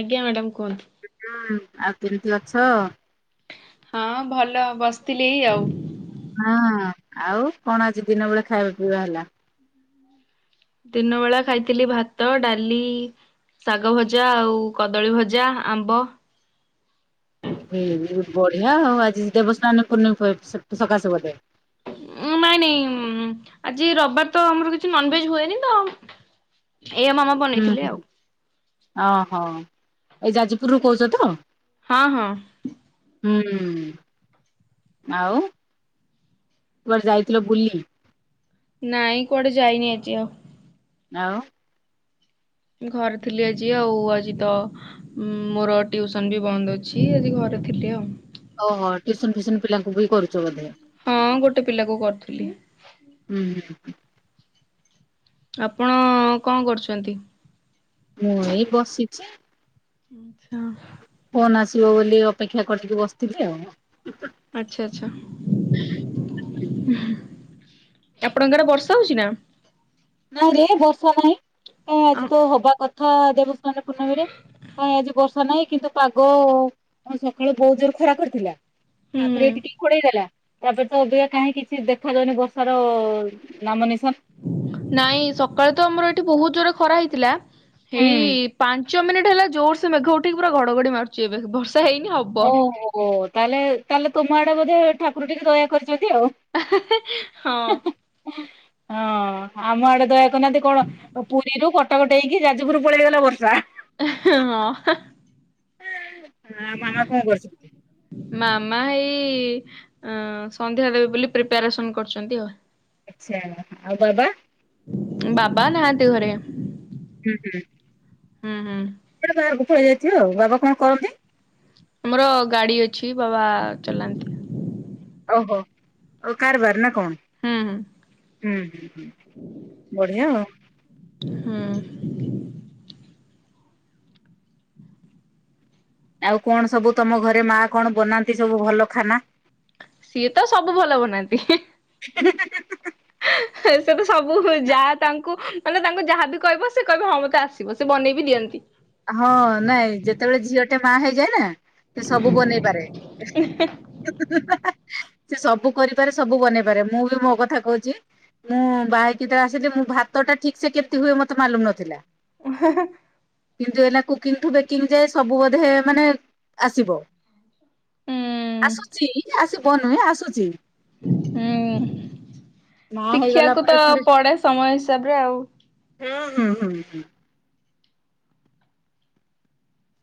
ଆଜ୍ଞା ମ୍ୟାଡାମ କୁହନ୍ତୁ। ହୁଁ ଆଉ କେମିତି ଅଛ? ହଁ ଭଲ ବସିଥିଲି ଏଇ ଆଉ ହଁ ଆଉ କଣ ଆଜି ଦିନ ବଳେ ଖାଇବା ପିଇବା ହେଲା? ଦିନ ବେଳା ଖାଇଥିଲି ଭାତ ଡାଲି ଶାଗ ଭଜା, ଆଉ କଦଳୀ ଭଜା, ଆମ୍ବ ବଢିଆ ହଉ ଆଜି ଦେବସ୍ନାନ ପୁନି ସକାଶ ବୋଧେ ଉ ନାଇଁ ନାଇଁ ଆଜି ରବିବାର ତ ଆମର କିଛି ନନଭେଜ ହୁଏନି ତ, ଏଇା ମାମା ବନେଇଥିଲେ ହୁଁ। ଆଉ ଓହୋ ଏଇ ଯାଜପୁରରୁୁ କହୁଛ ତ ହଁ ହଁ ହୁଁ ଆଉ ଖୁଆତେ ଯାଇଥିଲ ବୁଲି? ନାଇଁ କୁଆଡେ ଯାଇନି ଆଜି ଆଉ। ଆଉ ଘରେ ଥିଲି ଆଜି ଆଉ ଆଜି ତ ମୋର ଟିଉସନ ବି ବନ୍ଦ ଅଛି ଆଜି ଘରେ ଥିଲି ଆଉ ଓହୋ ଟ୍ୟୁସନ ଫ୍ୟୁସନ ପିଲାଙ୍କୁ ବି କରୁଛ ବୋଧେ? ହଁ ଗୋଟେ ପିଲାକୁ କରୁଥିଲି। ହୁଁ ହୁଁ। ଆପଣ କଣ କରୁଛନ୍ତି? ମୁଁ ଏଇ ବସିଛି ଆଚଛା ଫୋନ୍ ଆସିବ ବୋଲି ଅପେକ୍ଷା କରିିକି ବସିଥିଲି ଆଉ ଆଛା ଆଛା ଆପଣଙ୍କର ବର୍ଷା ହଉଛି ନା? ନାଇ ରେ ବର୍ଷା ନହିଁ ଆଜି ତ ହବା କଥା ଦେବସ୍ନାନ ପୂର୍ଣ୍ଣମୀରେ କାଁଇ ଆଜି ବର୍ଷା ନାହିଁ କିନ୍ତୁ ପାଗ ସକାଳୁ ବହୁତ ଜୋର୍ ରେ ଖରା କରିଥିଲା ହୁଁ ଆପ ଏଇ ଟିକ କଣେଇଦଲା [unintelligible] ତାପରେ ତ ଅବିକା କାହିଁ କିଛି ଦେଖାଯାଉନି ବର୍ଷାର ନାମ ନିିଶାନ ନାଇଁ ସକାଳେ ତ ଆମର ଏଠି ବହୁତ ଜୋର ଖରା ହେଇଥିଲା ହୁଁ। ହେଇ ପାଞ୍ଚ ଚଅ ମିନିଟ୍ ହେଲା ଜୋର୍ ସେ ମେଘ ଉଠେଇକି ପୁରା ଘଡଘଡି ମାରୁଛି ଏବେ ବର୍ସ ଓହୋ ତାହେଲେ ତାହେଲେ ତୁମ ଆଡେ ବୋଧେ ଠାକୁର ଟିକେ ଦୟା କରି ଶତି ଆଉ ହଁ। [unintelligible] ହଁ ଆମ ଆଡେ ଦୟାକରୁନାହାନ୍ତି କଣ ପୁରୀରୁ କଟକ ଡେଇଁକି ଯାଜପୁରରୁ ପଳେଇଗଲା ବର୍ଷା ଇହଁ ହଁ ହାଁ ହଁ ମାମା କଣ କରୁଛନ୍ତି? ମାମା ହେଇ ଆଁ ସନ୍ଧ୍ୟା ଦେବେ ବୋଲି ପ୍ରିପେଆରେସନ୍ କରୁଛନ୍ତି ଆଉ ଆଛା ଆଉ ବାବା? ବାବା ନାହାନ୍ତି ଘରେ ହୁଁ ହୁଁ ହଁ ହୁଁ ସେ ବାହାରକୁ ପଳେଇ ଯାଇଥିବେ ଆଉ ବାବା କଣ କରନ୍ତି? ଆମର ଗାଡି ଅଛି ବାବା ଚଲାନ୍ତି। ଓହୋ ଓ କାର ବାର ନା କଣ? ହୁଁ ହୁ। ହୁଁ ହୁଁ ବଢିଆ ଆଉ। ହୁଁ। ଆଉ କଣ ସବୁ ତମ ଘରେ ମାଆ କଣ ବନାନ୍ତି ସବୁ ଭଲ ଖାନା? ସିଏ ତ ସବୁ ଭଲ ବନାନ୍ତି। ହି ହି ହିଆ। ସେ ତ ସବୁ ଯାହା ତାଙ୍କୁ ମାନେ ତାଙ୍କୁ ଯାହାବି କହିବ ସେ କହିବ ହଁ ମତେ ଆସିବ ସେ ବନେଇବି ଦିଅନ୍ତି। ହଁ ନାଇଁ ଯେତେବେଳେ ଝିଅଟେ ମା ହେଇଯାଏ ନାଁ। ସେ ସବୁ ବନେଇପାରେ। ସେ ସବୁ କରିପାରେ ସବୁ ବନେଇ ପାରେ ମୁଁ ବି ମୋ କଥା କହୁଛି ମୁଁ ବାହା ହେଇକି ତ ଆସିଲି ମୁ ଭାତ ଟା ଠିକ ସେ କେମତି ହୁଏ ମତେ ମାଲୁମ ନଥିଲା। [unintelligible] କିନ୍ତୁ ଏନା କୁକିଂଠୁବେକିଂ ଯାଏ ସବୁ ବୋଧେ ମାନେ ଆସିବ। ହୁଁ ଆସୁଛି ଆସୁ ତନୁ ଆସୁଛି। ହୁଁ। ମା ହେଇଗଲା ଶିଖିବାକୁ ତ ପରେ ଥରେ ପଡେ ସମୟ ହିସାବରେ ଆଉ। ହୁଁ ହୁଁ ହୁଁ ହୁଁ।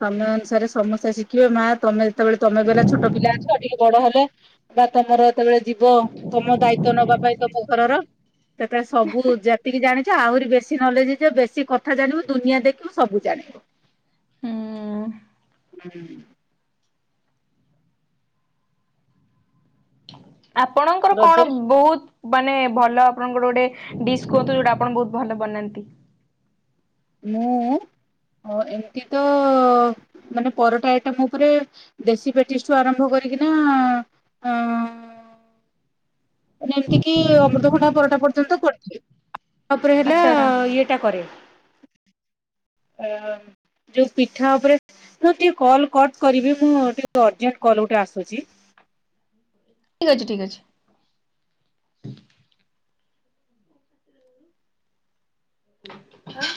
ସମୟ ଅନୁସାରେ ସମସ୍ତେ ଶିଖିବେ ମା ତମେ ଯେତେବେଳେ ତମେ ଗଲେ ଛୋଟ ପିଲା ଅଛ ଟିକେ ବଡ ହେଲେ ବା ତମର ଯେତେବେଳେ ଯିବ ତମ ଦାୟିତ୍ଵ ନବା ପାଇଁ ତମ ଘରର ସେତେବେଳେ ସବୁ ଯେତିକି ଜାଣିଛ ଆହୁରି ବେଶୀ ନଲେଜ ହେଇଯ ବେଶୀ କଥା ଜାଣିବୁ ଦୁନିଆ ଦେଖିବୁ ସବୁ ଜାଣିବୁ। [inaudible] ହୁଁ। ଆପଣଙ୍କର କଣ ରଜରେ ବହୁତ ମାନେ ଭଲ ଆପଣଙ୍କର ଗୋଟେ ଡିସ୍ କୁହନ୍ତୁ ଯୋଉଟା ଆପଣ ବହୁତ ଭଲ ବନାନ୍ତି। ମୁଁ। ହ ଏମିତି ତ ମାନେ ପରଟା ଆଇଟମ ଉପରେ ଦେଶୀ ପେଟିସ୍ ଠୁ ଆରମ୍ଭ କରି କାହିଁକି ନା ଅ। [inaudible] ମାନେ ଏମିତିକି ଅମୃତଭଣ୍ଡା ପରଟା ପର୍ଯ୍ୟନ୍ତ ଗୋଟେ। ତାପରେ ହେଲା ଆଚ୍ଛା ଆଚ୍ଛା। ଇଏଟା କରେ [inaudible] ଅ ମ୍ ଯୋଉ ପିଠା ଉପରେ ମୁଁ ଟିକେ କଲ କଟ କରିବି ମୁଁ ଟିକ ଅର୍ଜେଣ୍ଟ କଲ ଗୋଟେ ଆସୁଛି। [inaudible] ଠିକ ଅଛି ଠିକ ଅଛି। ଆଁ।